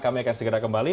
kami akan segera kembali